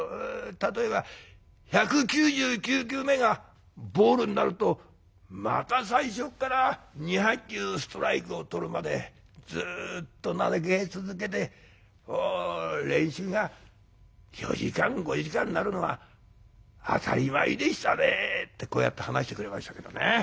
例えば１９９球目がボールになるとまた最初っから２００球ストライクをとるまでずっと投げ続けて練習が４時間５時間なるのは当たり前でしたね」ってこうやって話してくれましたけどね。